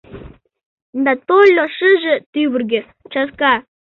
Да тольо шыже — тӱвыргӧ, чатка.